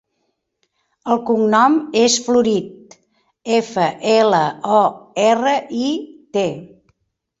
El cognom és Florit: efa, ela, o, erra, i, te.